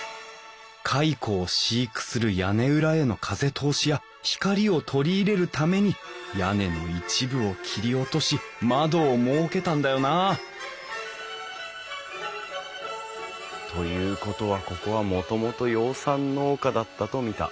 蚕を飼育する屋根裏への風通しや光を取り入れるために屋根の一部を切り落とし窓を設けたんだよなあということはここはもともと養蚕農家だったと見た。